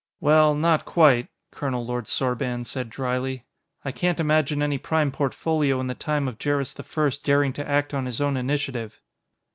"Well, not quite," Colonel Lord Sorban said dryly. "I can't imagine any Prime Portfolio in the time of Jerris I daring to act on his own initiative."